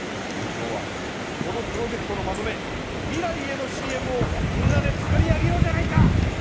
今日はこのプロジェクトのまとめ未来へのＣＭをみんなで作り上げようじゃないか！